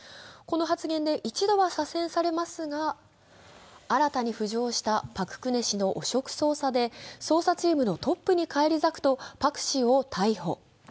この発言で一度は左遷されますが新たに浮上したパク・クネ氏の汚職捜査で捜査チームのトップに返り咲くと、パク氏を逮捕。